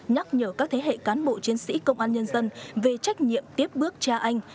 nhắc nhở các thế hệ cán bộ chiến sĩ công an nhân dân về trách nhiệm tiếp bước cha anh